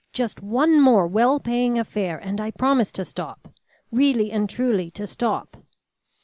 just one more well paying affair, and I promise to stop; really and truly to stop."